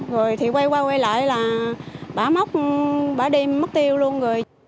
rồi thì quay qua quay lại là bà móc bà đi móc tiêu luôn rồi